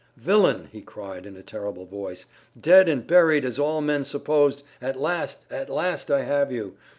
"Villain!" he cried in a terrible voice, "dead and buried as all men supposed, at last, at last I have you!